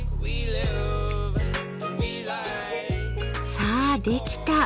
さあできた。